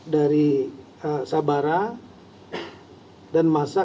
dari sabara dan masak